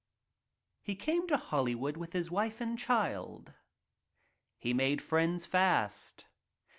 He came to Los Angeles with his wife and child. He made friends fast.